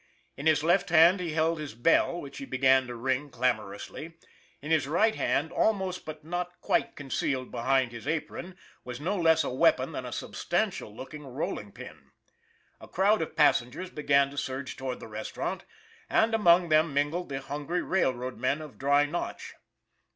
In his left hand he held his bell, which he began to ring clamor ously; in his right hand, almost but not quite con cealed behind his apron, was no less a weapon than a substantial looking rolling pin. A crowd of pas sengers began to surge toward the restaurant, and among them mingled the hungry railroad men of Dry Notch.